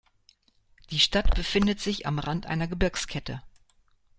Die Stadt befindet sich am Rand einer Gebirgskette.